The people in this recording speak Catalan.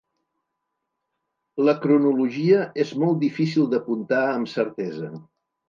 La cronologia és molt difícil d'apuntar amb certesa.